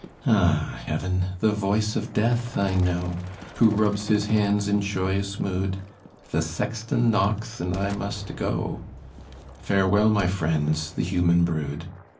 Ah, heaven! the voice of Death I know, Who rubs his hands in joyous mood; The sexton knocks and I must go Farewell, my friends the human brood!